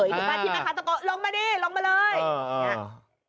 พี่แม่ค้าตะโกลลงมานี่ลงมาเลย